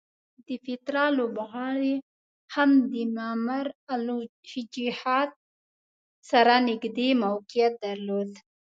د پیترا لوبغالی هم د ممر الوجحات سره نږدې موقعیت درلود.